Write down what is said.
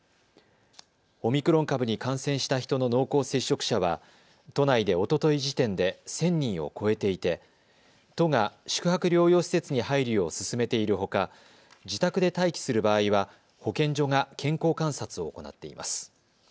オミクロン株に感染した人の濃厚接触者は都内でおととい時点で１０００人を超えていて都が宿泊療養施設に入るよう勧めているほか自宅で待機する場合は保健所が健康観察を行っています。